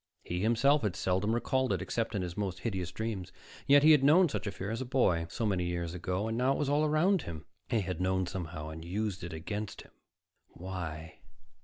He himself had seldom recalled it, except in his most hideous dreams, yet he had known such fear as a boy, so many years ago, and now it was all around him. They had known somehow and used it against him. Why?